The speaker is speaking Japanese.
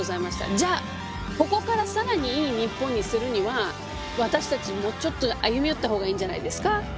じゃあここから更にいい日本にするには私たちもうちょっと歩み寄った方がいいんじゃないですか。